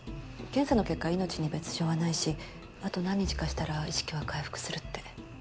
検査の結果命に別条はないしあと何日かしたら意識は回復するって。